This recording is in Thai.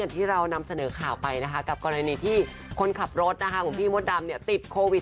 ที่เรานำเสนอข่าวไปนะคะกับกรณีที่คนขับรถของพี่มดดำติดโควิด